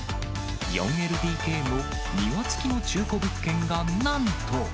４ＬＤＫの庭付きの中古物件がなんと。